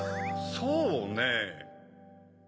そうねぇ。